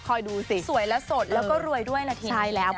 คอยดูสิสวยและสดแล้วก็รวยด้วยละที